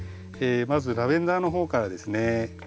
まずラベンダーの方からですね。